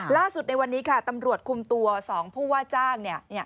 ล่าสุดในวันนี้ค่ะตำรวจคุมตัวสองผู้ว่าจ้างเนี่ย